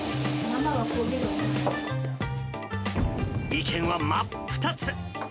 意見は真っ二つ。